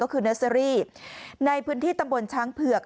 ก็คือเนอร์เซอรี่ในพื้นที่ตำบลช้างเผือก